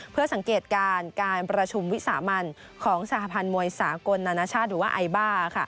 เพื่อสังเกตการณ์การประชุมวิสามันของสหพันธ์มวยสากลนานาชาติหรือว่าไอบ้า